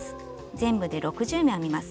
全部で６０目編みます。